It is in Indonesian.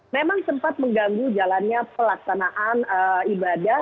memang sempat mengganggu jalannya pelaksanaan ibadah